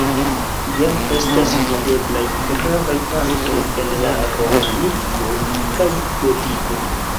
Jam estas videblaj gravaj partoj en la romaniko kaj gotiko.